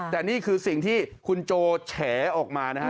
แต่นี่คือสิ่งที่คุณโจแฉออกมานะฮะ